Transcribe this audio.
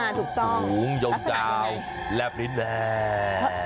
ถูกส้องยกเจ้าแลปลินแหง